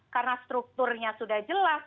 karena strukturnya sudah jelas